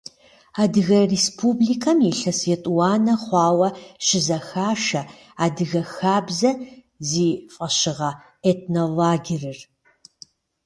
Адыгэ Республикэм илъэс етӏуанэ хъуауэ щызэхашэ «Адыгэ хабзэ» зи фӏэщыгъэ этнолагерыр.